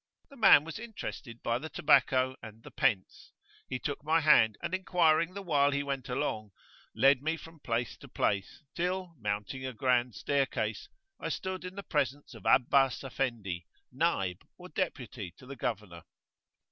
The man was interested by the tobacco and the pence; he took my hand, and inquiring the while he went along, led me from place to place, till, mounting a grand staircase, I stood in the presence of Abbas Effendi, Naib or deputy to the Governor.